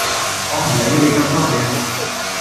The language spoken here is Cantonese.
我唔理你咁多嘢